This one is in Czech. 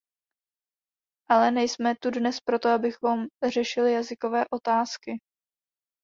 Ale nejsme tu dnes proto, abychom řešili jazykové otázky.